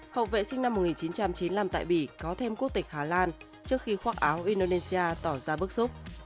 học vệ sinh năm một nghìn chín trăm chín mươi năm tại bỉ có thêm quốc tịch hà lan trước khi khoác áo indonesia tỏ ra bức xúc